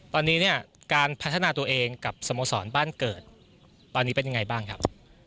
ตอนนี้เนี่ยการพัฒนาตัวเองกับสโมสรบ้านเกิดตอนนี้เป็นยังไงบ้างครับ